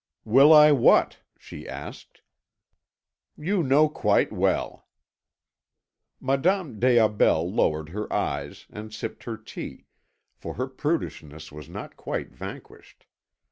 "Will I what?" she asked. "You know quite well." Madame des Aubels lowered her eyes, and sipped her tea, for her prudishness was not quite vanquished.